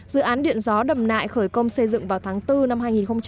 dự án điện gió đầm nại khởi công xây dựng vào tháng bốn năm hai nghìn một mươi bảy